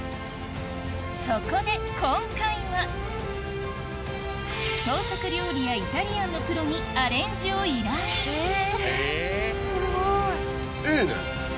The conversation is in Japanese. そこで今回は創作料理やイタリアンのプロにアレンジを依頼すごい。